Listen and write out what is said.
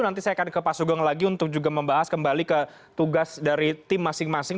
nanti saya akan ke pak sugeng lagi untuk juga membahas kembali ke tugas dari tim masing masing